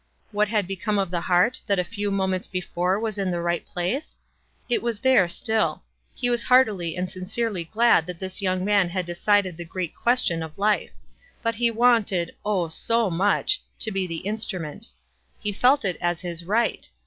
What had become of the heart that a few moments before was in the right place? It was there still. He w T as heartily and sincerely glad that this young man had decided the great question of life; but he wanted — oh, so much — to be the instrument. He felt it as his right.